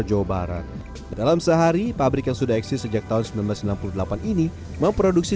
jawa barat dalam sehari pabrik yang sudah eksis sejak tahun seribu sembilan ratus sembilan puluh delapan ini memproduksi